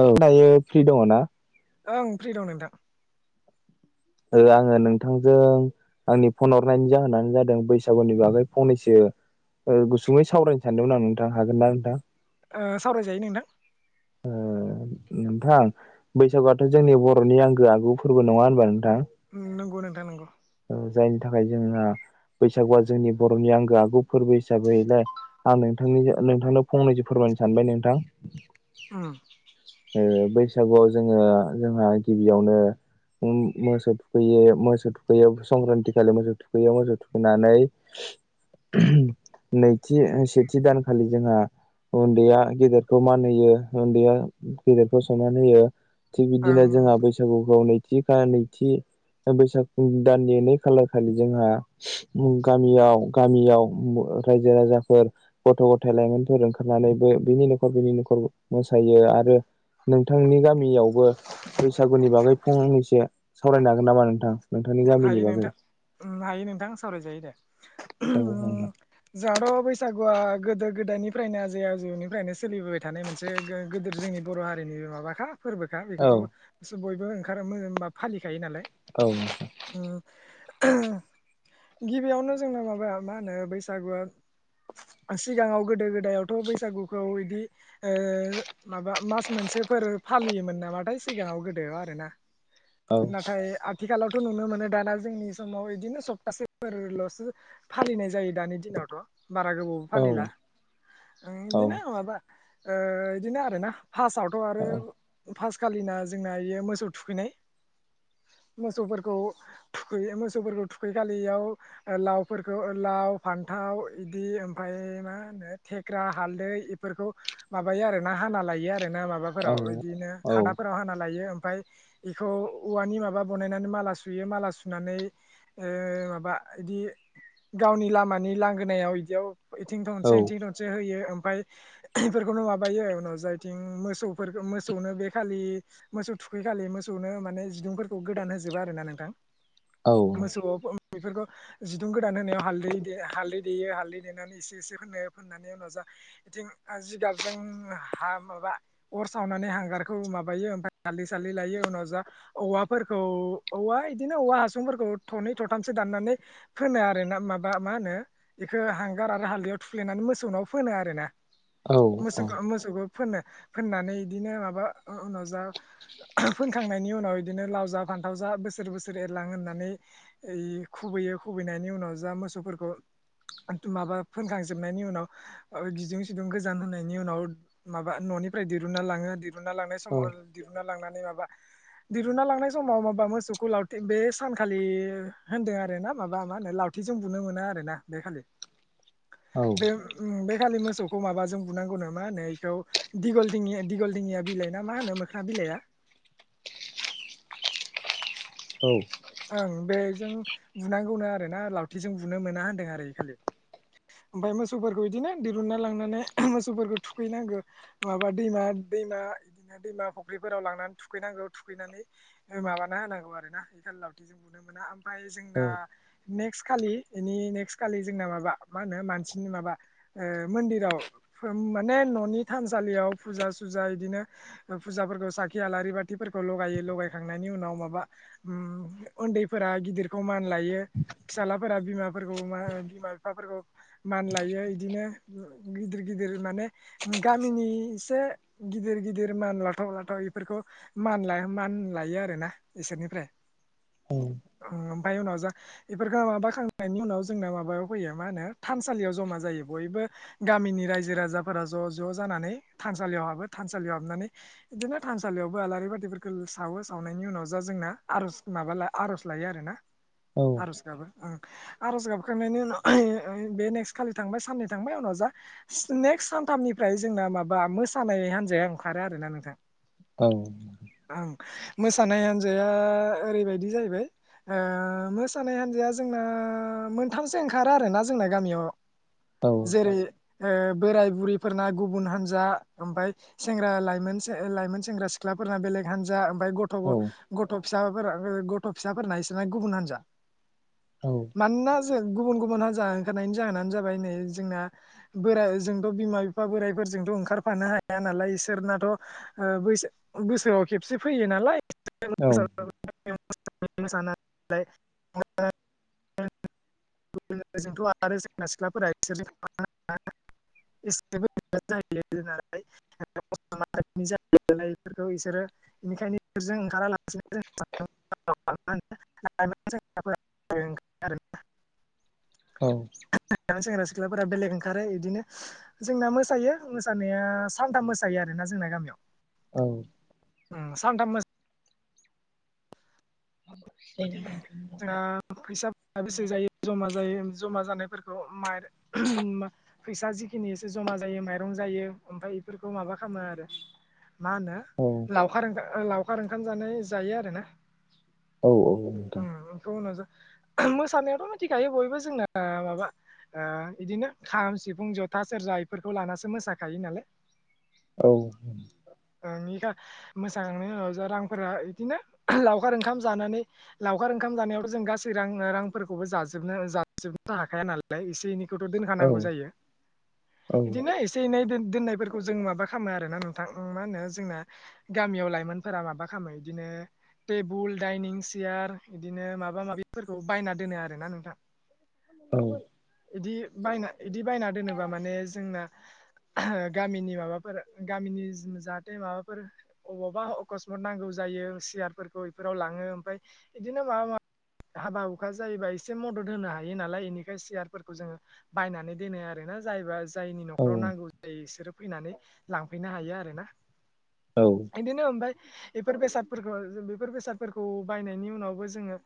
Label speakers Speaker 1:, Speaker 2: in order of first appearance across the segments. Speaker 1: औ दायो फ्रि दङ' ना?
Speaker 2: ओं फ्रि दं नोंथां।
Speaker 1: ओ आङो नोंथांजों आंनि फन हरनायनि जाहोनानो जादों बैसागुनि बागै फंनैसो ओ गुसुङै सावरायनो सानदोंमोन आं नोंथां हागोन ना नोंथां
Speaker 2: ओ सावरायजायो नोंथां।
Speaker 1: ओ नोंथां। बैसागुआथ' जोंनि बर'नि आंगो आगु फोरबो नङा होनबा नोंथां।
Speaker 2: उम नंगौ नोंथां नंगौ।
Speaker 1: ओ जायनि थाखाय जोङा बैसागुवा जोंनि बर'नि आंगो आगु फोरबो हिसाबैलाय आं नोंथांनि नोंथांनो फंनैसो फोरमाय नो सानबाय नोंथां।
Speaker 2: उम।
Speaker 1: ओ बैसागुआव जोङो जोंहा गिबियावनो ओम मोसौ थुखैयो मोसौ थु खैयो संक्रान्ति खालि मोसौ थुखैयो मोसौ थुखैनानै नैथि सेथि दानखालि जोंहा उन्दैया गेदेरखौ मान होयो उन्दैया गेदेरखौ सनमान होयो थिग
Speaker 2: ओं
Speaker 1: बिदिनो जोंहा
Speaker 2: नंगौ
Speaker 1: बैसागुखौ नैथि खा नैथि ओ बैसा [unintelligible] दाननि नै खालार खालि जोंहा गामियाव गामियाव रायजो राजा फोर गथ' गथाय लाइमोनफोर ओंखारनानैबो बिनि न'खर बिनि न'खर मोसायो आरो नोंथांनि गामियावबो बैसागुनि बागै फंनैसो सावरायनो हागोन नामा नोंथां? नों गामिनि बागै
Speaker 2: ओम हायो नोंथां सावरायजायो दे।
Speaker 1: औ नोंथां
Speaker 2: उम जोंहाथ' बैसा गुआ गोदो गोदायनिफ्रायनो आजै आजौनिफ्रायनो सोलिबोबाय थानाय मोनसे गो-गोदोर जोंनि बर' हारिनि माबाखा फोरबोखा
Speaker 1: औ
Speaker 2: बेखौथ' जों बयबो ओंखारो मो एबा फालिखायो नालाय।
Speaker 1: औ।
Speaker 2: ओ [unintelligible] गिबियावनो जोंना माबाया मा होनो बैसागुआ सिगाङाव गोदो गोदायावथ' बैसागुखौ इदि ओ माबा मास मोनसे फोर फालियोमोन नामाथाय सिगाङाव गोदो आरो ना।
Speaker 1: औ
Speaker 2: नाथाय आथिखालाव थ' नुनो मोनो दाना जोंनि समाव इदिनो सप्तासेफोरल'सो फालिनाय जायो दानि दिनावथ'। बारा गोबावबो फालि
Speaker 1: औ
Speaker 2: ला। ओ
Speaker 1: औ
Speaker 2: इदिनो माबा ओ इदिनो आरो ना। फासावथ'
Speaker 1: औ
Speaker 2: आरो फास खालिना जोंना इयो मोसौ थुखैनाय। मोसौफोर
Speaker 1: [inaudible]
Speaker 2: थुखैयो। मोसौफोरखौ थुखै खालि इयाव लावफोरखो लाव फान्थाव इदि ओमफाय ओइ मा होनो थेख्रा हालदै इफोरखौ माबायो आरो ना हाना लायो आरो ना माबाफोराव बिदिनो
Speaker 1: औ
Speaker 2: खादाफोराव हाना लायो ओम फाय इखौ औवानि माबा बनानै माला सु सुयो माला सुनानै ओ माबा इदि गावनि लामानि लांगोनायाव इदियाव इथिं
Speaker 1: औ
Speaker 2: थनसे इथिं थनसे होयो ओम फाय [unintelligible] इफोरखौनो माबायो उनाव जायथिं मोसौफोर मोसौनो बे खालि मोसौ थुखैखालि मोसौनो माने जिदुंफोरखौ गोदान होजोबो आरो ना नोंथां। मोसौ [unintelligible] बेफोरखौ जिदुं गोदान होनायाव हालदै हालदै देयो हालदै देनानै एसे एसे फोन फोननानै उनाव जा बिथिं जिगाबजों हा माबा अर सावनानै हांगारखौ माबायो ओमफ्राय हाललि साललि लायो उनाव जा औवाफोरखौ औवा बिदिनो औवा हासुंफोरखौ थनै थथामसो दाननानै फोनो आरो ना माबा मा होनो बेखौ हां गार आरो हालदयाव थुख्लेनानै मोसौनाव फोनो आरोना
Speaker 1: औ औ
Speaker 2: मोसौखौ मोसौखौ फोननो फोननानै बिदिनो माबा उनाव जा फोनखांनायनि उनाव बिदिनो लाव जा फा फानथाव जा बसोर बोसोर सोर एरलां होननानै खुबैयो खुबैनायनि उनाव जा मोसौफोरखौ माबा फोनखांजोबनायनि उनाव गिदुं सिदुं गोजान होनायनि उनाव माबा न'निफ्राय दिरुनना लाङो दि लांनाय समाव दिरुना लांनानै मा दिरुना लांनाय समाव माबा मोसौखौ लाव थि बे सानखालि होन्दों आरो ना माबा मा होनो लावथिजों बुनो मोना आरोना बे खालि। बे बे खाालि मोसौखौ माबाजों बुनांगौनो मा होनो बेखौ दिगल दिङि दिगलदिंङिया बिलाइ ना मा होनो मोखना बिलाइआ
Speaker 1: [inaudible] औ
Speaker 2: ओं बेजों बुनांगौनो आरोना लावथिजों बुनो मोना होन्दों आरो खालि ओमफफ्राय मोसौफोरखौ बिदिनो दिरुनना लांनानै मोसौफोरखौ थुखैनांगौ माबा दैमा दैमा बिदिनो दैमा फुख्रिफोराव लांनानै थुखैनांगौ थुखैनानै माबाना होनांगौ आरो ना बे खााल नुनो मोना मफ्राय जोंना नेक्स खालि इनि नेक्स खालि जोंना माबा मा होनो मा मानसिनि माबा ओ मन्दिराव माने ननि थानसालियाव फुजा थुजा इदिनो ओ फुजाफोरखौ साखि आलारि बाथिफोरखौ लगायो लगायखांनायनि उनाव माबा उन्दैफोरा गिदिरखौ मान लायो फिसााजलाफोरा बिमाफोरखौ मा बिमा बिफाफोरखौ मान लायो बिदिनो गिदिर गिदिर माने गामिनिसे गिदिर गिदिर मान लाथाव लाथाव बेफोरखौ मान लाया मान लायो आरोना इसोरनिफ्राय
Speaker 1: औ
Speaker 2: ओमफफ्राय उनाव जा बेफोरखौ माबाखांनायनि उनाव जोंना माबायाव फैयो मा होनो थानसालियाव जमा जायो ज बयबो गामिनि रायजो राजाफोरा ज' ज' जानानै थानसालियाव हाबो थानसालियाव हाबनानै बिदिनो थानसालियावबो आलारि बाथिफोरखौ सावो सावनायनि उनाव जा जोंना आर'ज माबा आर'ज लायो आरोना आर'ज गाबो उम आर'ज गाबखांनायनि उनाव बे नेक्स्ट खालि थांबाय साननै थांबाय उनाव जा नेक्स नेक्स्ट सानथामनिफ्राय जोंना माबा मोसानाय हान्जाया ओंखारो आरोना नोंथां
Speaker 1: औ
Speaker 2: ओं मोसानाय हान्जाया ओरैबायदि जाहैबाय ओ मोसानाय हान्जाया जोंना मोनथामसो ओंखारो आरोना जोंना गामियाव जेरै ओ बोराय बुरैफोरना गुबुन हान्जा ओमफ्राय सेंग्राइ लाइमोन से लाइमोन सेंग्रा सिख्ला बेलेग हानजा उमफाय गथ' गथ' फिसा गथ' फिसाफोर नायसोरा गुबुन हान्जा मानोना गुबुन गुबुन हानजा ओंखारनायनि जाहोनानो जाबाय नै जोंना बोर जोंथ' बिमा बिफा बोरायफोर जोंथ' ओंखारफानो हाया नालाय इसोरनाथ 'ओ बोस-बोसोराव खेबसे फैयो नालाय [inaudible]
Speaker 1: [inaudible]
Speaker 2: [unintelligible] गुब जोंथ' आरो सेंना सिख्लाफोरा बिसोर था [unintelligible] [unintelligible] बेनिखायनोजों ओंखाराला [unintelligible] [unintelligible]
Speaker 1: औ
Speaker 2: सेंग्रा सिख्ला सिख्लाफोरा बेलेग ओंखारो इदिनो जोंना मोसायो मोसानाया सानथाम मोसायो आरोना जोंना गामियाव।
Speaker 1: औ।
Speaker 2: ओम सानथाममो [unintelligible] जोंहा फैसाफोरा बेसे जायो जमा जायो जमा जानायफोर खौ [unintelligible] फैसा जिखिनि एसे जमा जायो माइरं जायो ओमफ्राय बेफोरखौ माबा खा मो आरो। मा होनो लावखार ओंखा लावखार ओंखाम जानाय जायो आरो ना।
Speaker 1: औ औ नोंथां।
Speaker 2: मोसानायाथ' मिथिखायो बयबो जोंना माबा आ बिदिनो खाम, सिफुं, जथा, सेरजा बेफोरखौ लानासो मोसाखायो नालाय।
Speaker 1: औ।
Speaker 2: नोंनिखा मोसांनायनि उनाव जा रांफोरा इदिनो लावखार ओंखाम जानानै लावखार ओंखाम जानायावथ' जों गासै रां रांफोरखौबो जाजोबनो जाजोबनो हाखाया नालाय एसे एनै खौथ' दोनखानांगौ जायो। इदिनो एसे एनै दोन दोननायफोरखौ जों माबा खामो आरो ना नोंथां मा होनो जोंना गामियाव लाइमोनफोरा माबा खामो इदिनो टेबोल डाइनिं सियार इदिनो माबा माबिफोरखौ बायना दोनो आरोना नोंथां।
Speaker 1: औ।
Speaker 2: इदि बायना इदि बायना दोनोबा माने जोंना गामिनि माबाफोर गामिनि जाहाथे माबाफोर अबावबा अकसमत नांगौ जायो सियारफोरखौ बेफोराव लाङो ओमफाय इदिनो माबा मा हाबा हुखा जायोबा एसे मदद होनो हायो नालाय, एनिखाय सियारफोरखौ जोङो बायनानै दोनो आरो। जायबा जायनि न'खराव नांगौ जायो बिसोरो फैनानै लांफैनो हायो आरो ना। इदिनो ओमफ्राय बेफोर बेसादफोरखौ बेफोर बेसादफोर बायनायनि उनावबो जोङो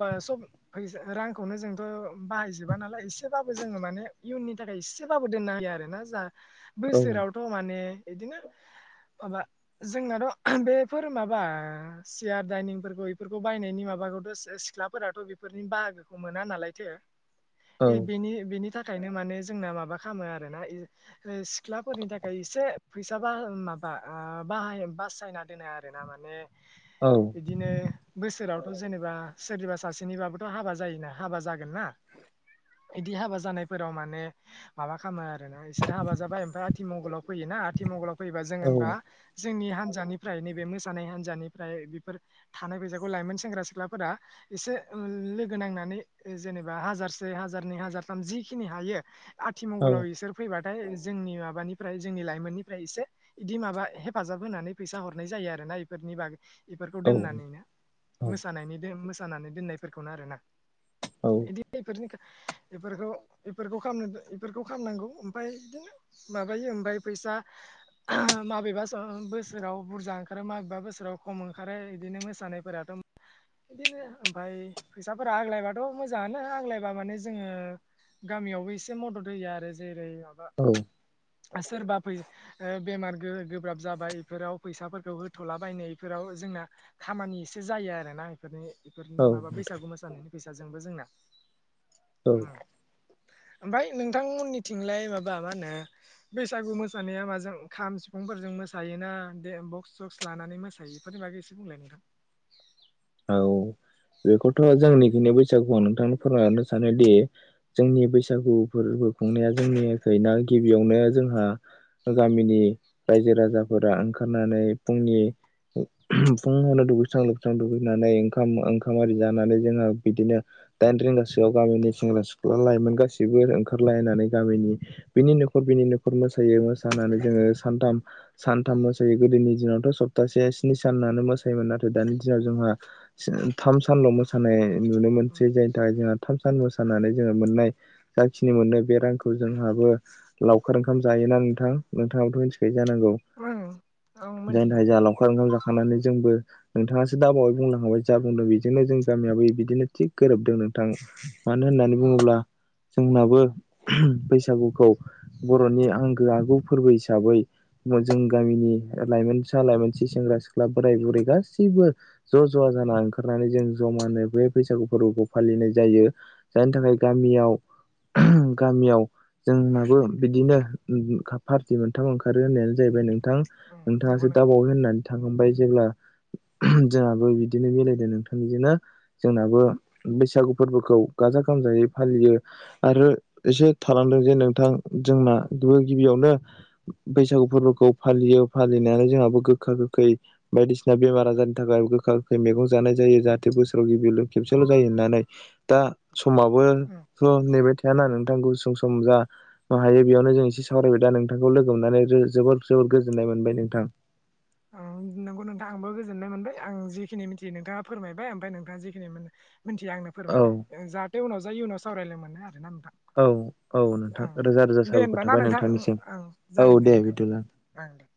Speaker 2: बा सब फैसा रांखौनो जोंथ' बाहायजोबा नालाय एसे एसेबाबो जोङो माने इयुननि थाखाय एसेबाबो दोनना होयो आरो ना जा बोसोरावथ' माने एदिनो माबा जोंनाथ' बेफोर माबा सियार दाइनिंफोरखौ बेफोरखौ बायनायनि माबाखौथ' सिख्लाफोराथ' बेफोरनि बाहागोखौ मोना नालायथो इ बेनि बेनि था खायनो माने जोंना माबा खालामो आरोना सिख्लाफोरनि थाखाय एसे फैसा बा माबा आ आ बाहाय बासायना दोनो आरो ना माने बिदिनो बोसोरावथ' जेनेबा सोरनिबा सासेनिबाबोथ' हाबा जायोना हाबा जागोन ना। इदि हाबा जानायफोराव माने माबा खालामो आरोना इसोर हाबा जाबाय ओमफ्राय आथिमंगलाव फैयो ना आथि मंगलाव फेबा जों होनबा जोंनि हान्जानिफ्राय नैबे मोसानाय हानजानिफ्राय बेफोर थानाय फैसा खौ लाइमोन सेंग्रा सिख्लाफोरा एसे लोगो नांनानै जेनेबा हाजारसे हारनै हाजार थाम जिखिनि हायो, आथिमंगलाव बिसोर फैबा थाय जोंनि माबानिफ्राय जोंनि लाइमोननिफ्राय एसे बिदि माबा हेफाजाब होनानै फैसा हरनाय जायो आरो ना इफोरनि बागै इफोरखौ दोननानैनो। मोसानायनि मोसानानै दोननायफोरखौनो आरो ना। इदि एफोरनि खो इफोरखौ इफोरखौ खामनो इफोरखौ खालामनांगौ ओमफाय बिदिनो माबायो ओमफाय फै सा माबेबा बोसोराव बुरजा ओंखारो माबेबा बोसोराव खम ओंखारो इदिनो मोसानाय फोराथ' बिदिनो ओमफाय फैसाफोरा आग्लायबाथ' मोजाङानो आग्लायबा माने जोङो गामियावबो एसे मदद होयो आरो। जेरै माबा सोरबा फै बेमार गो-गोब्राब जाबाय इफोराव फैसाफोरखौ होथ'लाबायनाय इफोराव जोंना खामानि ए से जायो आरोना इफोरनि इफोरनि माबा बैसागु मोसानायनि फैसाजोंबो जोंना।
Speaker 1: औ।
Speaker 2: ओमफाय नोंथांमोननिथिंलाय माबा मा होनो बैसागु मोसानाया माजों खाम सिफुंफोरजों मोसायोना बक्स जक्स लानानै मोसायोफोर लाग एसे बुंलाय नदां
Speaker 1: औ बेखौथ' जोंनिखिनि बैसागुखौ आं नोंथांनो फोरमायलरनो सानोदि जोंनि बैसागुफोर खुंनाया जोंनिफ्राया गिबियावनो जोंहा गामिनि रायजो राजाफोरा ओंखारनानै फुंनि फुावनो दुगैस्रां लोबस्रां दुगै ओंखाम आरि जानानै जोंहा बिदिनो दाइन रिंगासोआव गामिनि सेंग्रा सिख्ला लाइ गासिबो ओंखारलायनानै गामिनि बिनि न'खर बिनि न'खर मोसायो मोसानानै जोङो सथाम सानथाम मोसायो गोदोनि दिनावथ' सप्तासे स्नि सानानो मोसायोमोन नाथाय दानि दिनाव जोंहा थाम सानल' मोसानाय नुनो मोनसै जायनि थाखाय जोंहा थाम मोसानानै जोङो मोननाय जाखिनि मोनो बे रांखौ जोंहाबो लावखार ओंखाम जायोनानै नोंथां नोंथाङाथ' मिथिखायो जायनि
Speaker 2: आं मोनथियो
Speaker 1: थाखाय जों
Speaker 2: नोंथां
Speaker 1: लाखार ओंखाम जाखांनानै जोंबो नोंथाङासो दाबाव बुंलां हाबबाय जा बुंदों बेजोंनो जों गामियाबो बिदिनो थिग गोरोबदों नोंथां मानो होननानै बुङोब्ला जोंनाबो बैसागुखौ बर'नि आंगो आगु फोरबो हिसाबै जों गामिनि लाइमोनि लाइमोन सि सेंग्रा सिख्ला बोराय बुरै गासैबो ज' ज'वा जाना ओंखारनानै जों जमानो बे बैसागु फोरबोखौ फालिनाय जायो जायनि थाखाय गामि बेयाव गामियाव जोंनाबो बिदिनो पार्टि मोनथाम ओंखारो होननायानो जाहैबाय नों नोंथां
Speaker 2: नंगौ
Speaker 1: नोंथाङासो दाबावै होननानै थांखांबाय जेब्ला जोंहाबो बिदिनो मिलायदों नोंथां बिजोंनो जोंनाबो बैसागु फोरबोखौ गाजा गोमजायै फालियो आरो एसे थालांदों जे नोंथां जोंना गि गिबियावनो बैसागु फोरबोखौ फालियो फालिनायनानै जोंहाबो गोखा गोखै बायदिसिना बेमार आजार थाखाय गोखा गोखै मैगं जानाय जायो जाहाथे बोसोराव गिबिल खेबसेल' जायो होननानै दा समाबोथ' नेबाय थाया ना नोंथां नोंथ गुसुं सम ज हायो बेयावनो जों एसे सावरायबाय दा नोंथांखौ लोगो मोननानै जबोद जबोद गोजोननाय मोनबाय नोंथां
Speaker 2: नोंगौ नोंथाङा आंबो गोजोननाय मोनबाय आं जिखिनि मिथियो नोंथाङा फोरमायबाय ओमफ्राय नोंथाङा जिखिनि मोनो मिथिया आंनो
Speaker 1: औ
Speaker 2: फोरमायबाय जाहाथे उनाव जाय इ उनाव सावरायलाय मोनो आरोना
Speaker 1: औ औ नोंथां
Speaker 2: ओं
Speaker 1: रोजा रोजा
Speaker 2: दे
Speaker 1: साबायखर
Speaker 2: हबा ना
Speaker 1: थाबाय
Speaker 2: नोंथां
Speaker 1: नोंथांनिसिम
Speaker 2: ओं
Speaker 1: औ
Speaker 2: जागोन दे नोंथां दे
Speaker 1: बिदिब्ला
Speaker 2: ओं दे